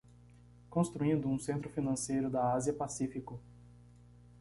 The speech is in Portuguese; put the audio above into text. Construindo um Centro Financeiro da Ásia-Pacífico